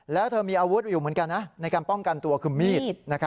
แล้วเธอมีอาวุธอยู่เหมือนกันในการป้องกันตัวคือมีด